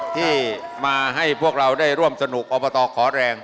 ที่มาให้พวกเราได้ร่วมสนุกอบตขอแรง